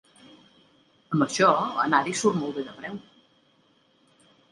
Amb això, anar-hi surt molt bé de preu.